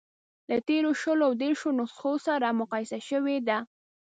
له تېرو شلو او دېرشو نسخو سره مقایسه شوې ده.